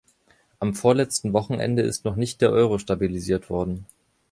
Am vorletzten Wochenende ist noch nicht der Euro stabilisiert worden.